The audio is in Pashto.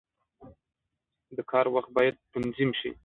• د کار وخت باید تنظیم شي.